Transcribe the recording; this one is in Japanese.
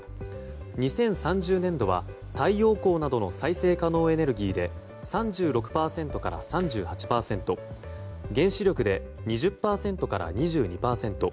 ２０３０年度は、太陽光などの再生可能エネルギーで３６％から３８％原子力で２０％から２２％